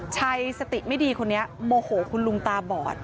สติไม่ดีคนนี้โมโหคุณลุงตาบอด